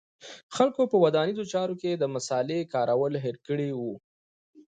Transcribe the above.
خلکو په ودانیزو چارو کې د مصالې کارول هېر کړي و